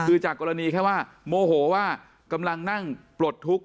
คือจากกรณีแค่ว่าโมโหว่ากำลังนั่งปลดทุกข์